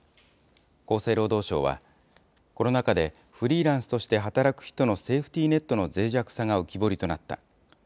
厚生労働省は、コロナ禍でフリーランスとして働く人のセーフティーネットのぜい弱さが浮き彫りとなった。